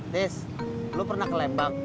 this lo pernah ke lembang